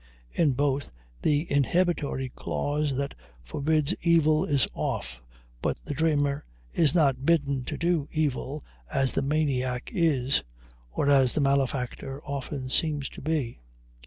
In both, the inhibitory clause that forbids evil is off, but the dreamer is not bidden to do evil as the maniac is, or as the malefactor often seems to be.